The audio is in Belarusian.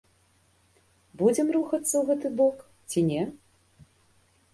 Будзем рухацца ў гэты бок ці не?